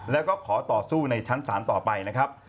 แล้วก็ขอต่อสู้ในชั้นศาลต่อไปนะครับ